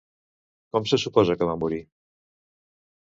Com se suposa que va morir?